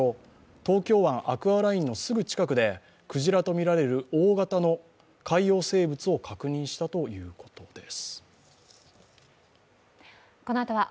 東京湾アクアラインのすぐ近くでクジラとみられる大型の海洋生物を確認したということです。